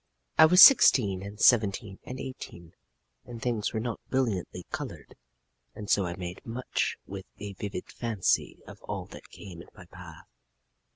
I was sixteen and seventeen and eighteen, and things were not brilliantly colored, and so I made much with a vivid fancy of all that came in my path."